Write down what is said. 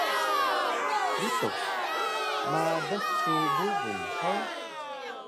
Lituk: Madas su bubung hug?